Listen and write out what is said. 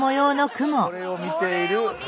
これを見ている。